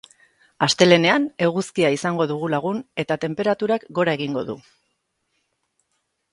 Astelehenean eguzkia izango dugu lagun eta tenperaturak gora egingo du.